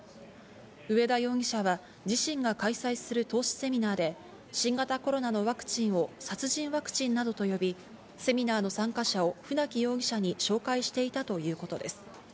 上田容疑者は自身が開催する投資セミナーで、新型コロナのワクチンを殺人ワクチンなどと呼び、セミナーの参加者を船木容疑者に紹介していたということです。